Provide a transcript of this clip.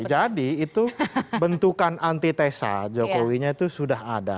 jadi itu bentukan anti tesa jokowinya itu sudah ada